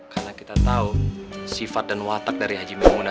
karena kita tahu sifat dan watak dari haji munguna